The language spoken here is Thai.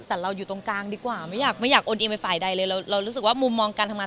แต่เราอยู่ตรงกลางดีกว่าไม่อยากไม่อยากโอนเองไปฝ่ายใดเลยเรารู้สึกว่ามุมมองการทำงาน